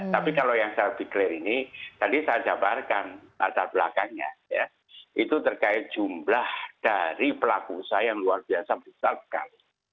tapi kalau yang saya deklarasi ini tadi saya jabarkan latar belakangnya ya itu terkait jumlah dari pelaku usaha yang luar biasa besar sekali